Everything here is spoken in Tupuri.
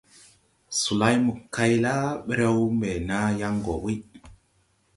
Solay mo kay la ɓrɛw mbɛ naa yaŋ gɔ ɓuy.